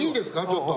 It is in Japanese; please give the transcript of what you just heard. ちょっと。